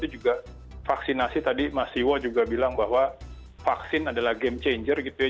dua ribu dua puluh satu juga vaksinasi tadi mas siwo juga bilang bahwa vaksin adalah game changer gitu ya